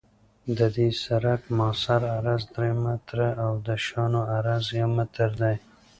د دې سرک مؤثر عرض درې متره او د شانو عرض یو متر دی